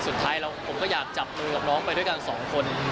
สุดท้ายผมก็อยากจับมือกับน้องไปด้วยกันสองคน